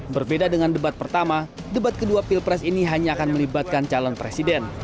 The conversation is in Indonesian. berbeda dengan debat pertama debat kedua pilpres ini hanya akan melibatkan calon presiden